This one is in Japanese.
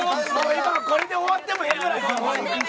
今これで終わってええぐらい。